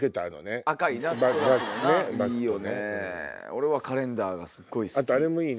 俺はカレンダーがすっごい好き。